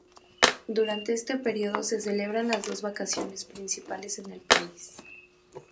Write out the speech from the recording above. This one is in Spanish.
Durante este periodo se celebran las dos vacaciones principales en el país.